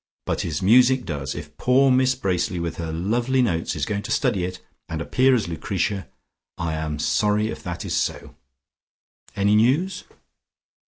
But his music does, if poor Miss Bracely, with her lovely notes, is going to study it, and appear as Lucretia. I am sorry if that is so. Any news?"